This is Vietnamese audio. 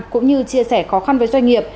cũng như chia sẻ khó khăn với doanh nghiệp